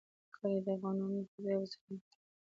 کلي د افغانانو د تفریح یوه وسیله ده.